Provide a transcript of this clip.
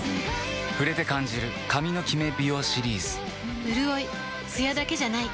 触れて感じる髪のキメ美容シリーズうるおいツヤだけじゃない。